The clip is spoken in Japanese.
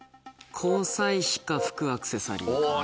交際費か服・アクセサリー。